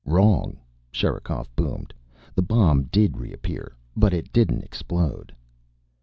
"Wrong," Sherikov boomed. "The bomb did reappear. But it didn't explode."